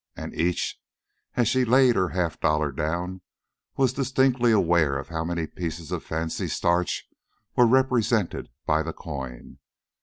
And each, as she laid her half dollar down, was distinctly aware of how many pieces of fancy starch were represented by the coin.